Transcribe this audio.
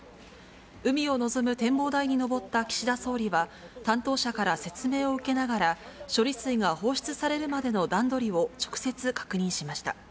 海を望む展望台に上った岸田総理は、担当者から説明を受けながら、処理水が放出されるまでの段取りを直接確認しました。